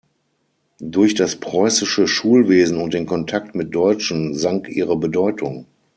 Durch das preußische Schulwesen und den Kontakt mit Deutschen sank ihre Bedeutung.